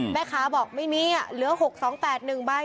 แม่ค้าบอกไม่มีเหลือ๖๒๘๑ใบ